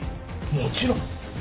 もちろん。